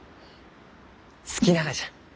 好きながじゃ。